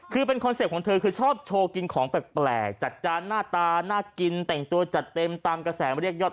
คือเป็นคอนเซ็ปต์ของเธอคือชอบโชว์กินของแปลกจัดจานหน้าตาน่ากินแต่งตัวจัดเต็มตามกระแสมาเรียกยอด